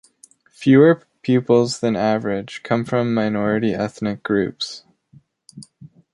Fewer pupils than average come from minority ethnic groups.